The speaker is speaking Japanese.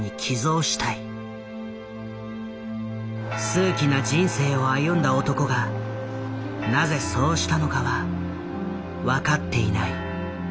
数奇な人生を歩んだ男がなぜそうしたのかは分かっていない。